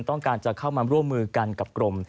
ต้องการจะเข้ามาร่วมมือกันกับกรม